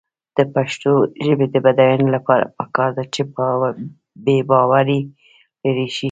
د پښتو ژبې د بډاینې لپاره پکار ده چې بېباوري لرې شي.